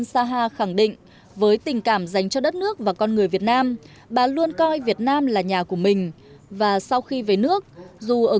sát với các chương trình đã ôn tập do bộ đưa ra